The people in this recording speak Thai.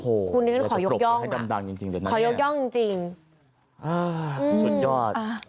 โอ้โหอยากจะกรบให้ดำดังจริงเดี๋ยวนั้นเนี่ยสุดยอด